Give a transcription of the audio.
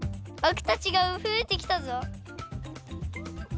アクたちがふえてきたぞ。